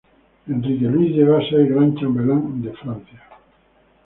Enrique Luis llegó a ser Gran Chambelán de Francia.